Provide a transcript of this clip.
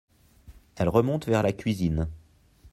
Elle remonte vers la cuisine.